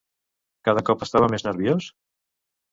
Cada cop estava més nerviós?